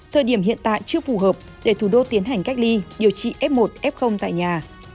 thời điểm hiện tại chưa phù hợp để thủ đô tiến hành cách ly điều trị f một f tại nhà